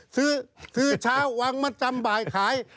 ซื้อซื้อเช้าวางมาจำบ่ายขาย